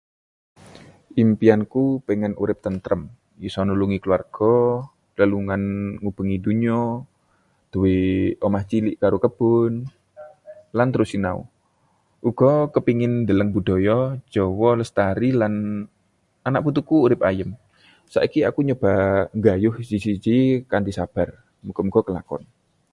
Impianku pengin urip tentrem, isa nulungi keluarga, lelungan ngubengi donya, duwe omah cilik karo kebon, lan terus sinau. Uga kepengin ndeleng budaya Jawa lestari lan anak-putuku urip ayem. Saiki aku nyoba nggayuh siji-siji kanthi sabar, muga-muga kelakon.